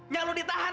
nya lo ditahan